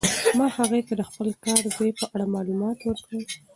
ما هغې ته د خپل کار ځای په اړه معلومات ورکړل.